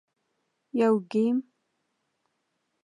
- یو ګېم 🎮